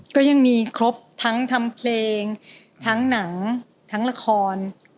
ก็ยังมีครบทั้งทำเพลงทั้งหนังทั้งละคร